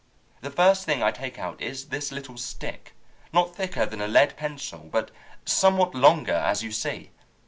The first thing I take out is this little stick, not thicker than a lead pencil, but somewhat longer, as you see.